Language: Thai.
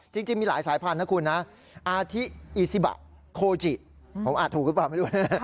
จริงมีหลายสายพันธุนะคุณนะอาทิอีซิบะโคจิผมอาจถูกหรือเปล่าไม่รู้นะ